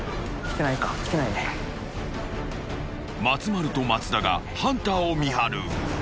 ［松丸と松田がハンターを見張る］